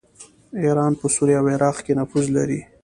ایران په سوریه او عراق کې نفوذ لري.